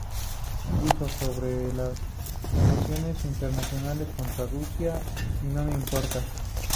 Dijo sobre las sanciones internacionales contra Rusia: ""¡Y no me importa!